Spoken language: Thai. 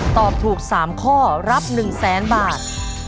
ตอบถูก๓ข้อรับ๑๐๐๐๐๐บาท